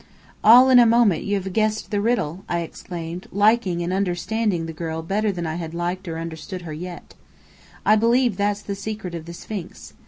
"All in a moment you have guessed the riddle!" I exclaimed, liking and understanding the girl better than I had liked or understood her yet. "I believe that's the secret of the Sphinx.